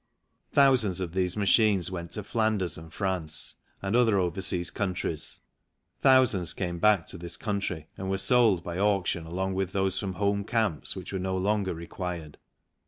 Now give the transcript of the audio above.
Thousands of these machines went to Flanders and France and other overseas countries. Thousands came back to this country and were sold by auction along with those from home camps which were no longer required.